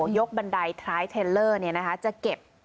บันไดท้ายเทลเลอร์จะเก็บ